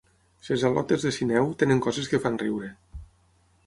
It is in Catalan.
Ses al·lotes de Sineu tenen coses que fan riure.